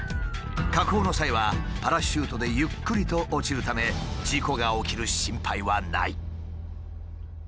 下降の際はパラシュートでゆっくりと落ちるため事故が起きる心配はない。